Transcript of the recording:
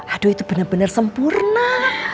aduh itu bener bener sempurna